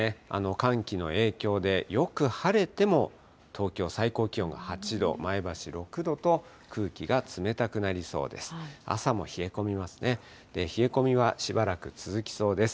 寒気の影響でよく晴れても東京、最高気温が８度、前橋６度と、空気が冷たくなりそうです。